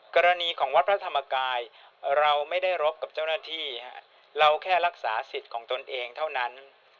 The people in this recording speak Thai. กรณีของวัดพระธรรมกายเราไม่ได้รบกับเจ้าหน้าที่เราแค่รักษาสิทธิ์ของตนเองเท่านั้น